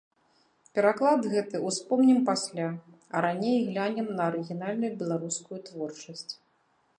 Пераклад гэты ўспомнім пасля, а раней глянем на арыгінальную беларускую творчасць.